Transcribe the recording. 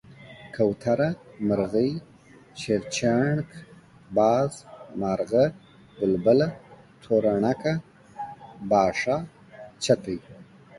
کوتره، مرغۍ، چيرچيڼک، باز، مارغه ،بلبله، توره ڼکه، باښه، چتی،